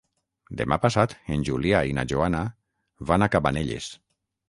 Demà passat en Julià i na Joana van a Cabanelles.